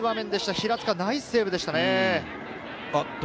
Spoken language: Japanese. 平塚、ナイスセーブでしたね。